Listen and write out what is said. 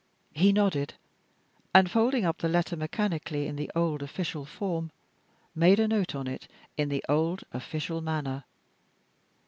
He nodded, and folding up the letter mechanically in the old official form, made a note on it in the old official manner.